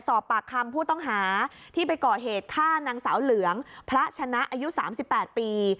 สอบปากคำผู้ต้องหาที่ไปก่อเหตุฆ่านางสาวเหลืองพระชนะอายุ๓๘ปี